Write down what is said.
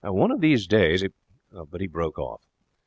One of these days ' He broke off.